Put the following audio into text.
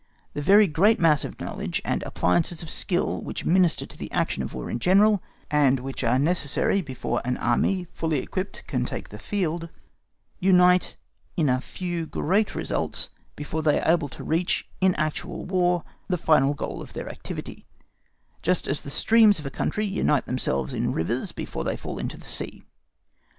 The very great mass of knowledge and appliances of skill which minister to the action of War in general, and which are necessary before an army fully equipped can take the field, unite in a few great results before they are able to reach, in actual War, the final goal of their activity; just as the streams of a country unite themselves in rivers before they fall into the sea.